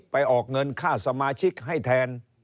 ออกเงินค่าสมาชิกให้แทน